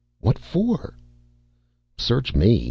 "What for?" "Search me.